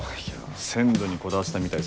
鮮度にこだわってたみたいですよ。